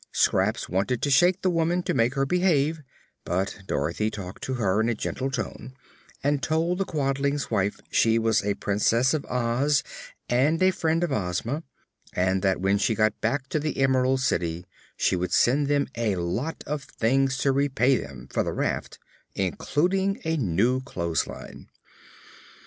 Scraps wanted to shake the woman, to make her behave, but Dorothy talked to her in a gentle tone and told the Quadling's wife she was a Princess of Oz and a friend of Ozma and that when she got back to the Emerald City she would send them a lot of things to repay them for the raft, including a new clothesline.